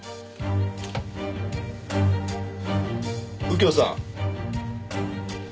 右京さん。